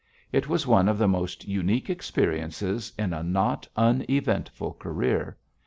It was one of the most unique experiences in a not uneventful career.